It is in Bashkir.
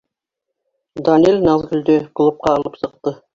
Данил Наҙгөлдө клубҡа алып сыҡты.